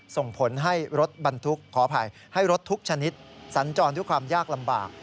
ส่งผลให้รถทุกชนิดสันจรทุกความยากลำบาก